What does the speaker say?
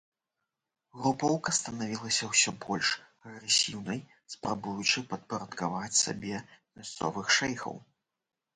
Групоўка станавілася ўсё больш агрэсіўнай, спрабуючы падпарадкаваць сабе мясцовых шэйхаў.